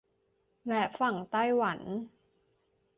และฝั่งไต้หวัน